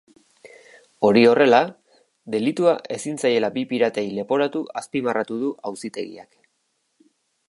Hori horrela, delitua ezin zaiela bi piratei leporatu azpimarratu du auzitegiak.